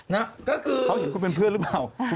นะก็คือเขาเป็นเพื่อนหรือเปล่า